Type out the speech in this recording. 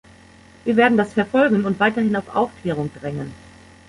Wir werden das verfolgen und weiterhin auf Aufklärung drängen.